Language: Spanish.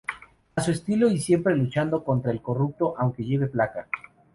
A su estilo y siempre luchando contra el corrupto, aunque lleve placa.